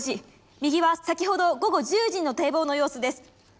右は先ほど午後１０時の堤防の様子です。